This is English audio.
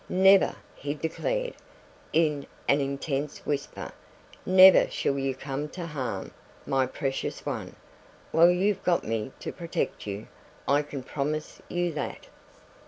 "Never," he declared, in an intense whisper "never shall you come to harm, my precious one, while you've got me to protect you; I can promise you that."